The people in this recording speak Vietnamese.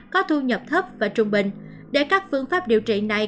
có thu nhập thấp và trung bình để các phương pháp điều trị này